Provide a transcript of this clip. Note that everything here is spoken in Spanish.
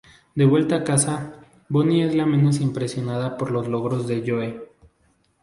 De vuelta a casa, Bonnie es la menos impresionada por los logros de Joe.